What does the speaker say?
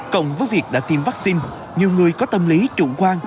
cộng với việc đã tiêm vaccine nhiều người có tâm lý chủ quan